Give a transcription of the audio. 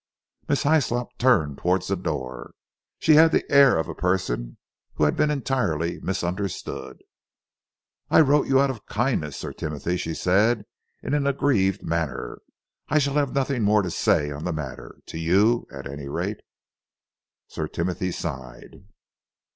Miss Hyslop turned towards the door. She had the air of a person who had been entirely misunderstood. "I wrote you out of kindness, Sir Timothy," she said in an aggrieved manner. "I shall have nothing more to say on the matter to you, at any rate." Sir Timothy sighed.